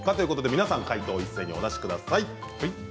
皆さん、解答をお出しください。